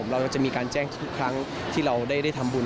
เราจะมีการแจ้งทุกครั้งที่เราได้ทำบุญ